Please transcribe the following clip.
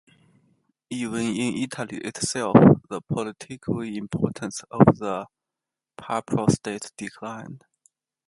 Even in Italy itself, the political importance of the Papal States declined.